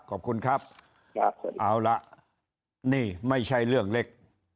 ขอบคุณครับเอาละนี่ไม่ใช่เรื่องเล็ก